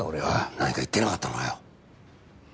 何か言ってなかったのかよ？